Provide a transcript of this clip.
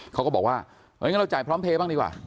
เขาก็บอกว่างั้นเราจ่ายพร้อมเพลย์บ้างดีกว่า